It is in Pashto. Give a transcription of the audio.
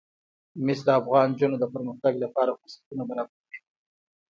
مس د افغان نجونو د پرمختګ لپاره فرصتونه برابروي.